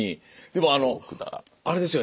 でもあれですよ。